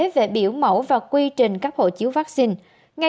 về biểu mẫu và quy trình cấp hộ chiếu vaccine